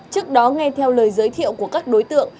trước đó nghe theo lời giới thiệu của các đối tượng